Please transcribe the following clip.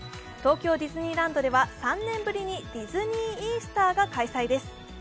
東京ディズニーランドでは３年ぶりにディズニー・イースターが開催です